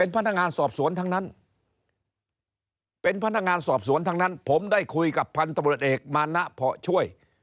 พนักงานสอบสวนทั้งนั้นผมได้คุยกับพันธุ์ตำรวจเอกมานะเพราะช่วย